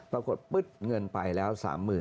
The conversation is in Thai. ปรากฏปุ๊บเงินไปแล้ว๓๐๐๐